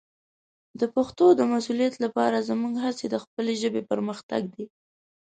د پښتو د مسوولیت لپاره زموږ هڅې د خپلې ژبې پرمختګ دی.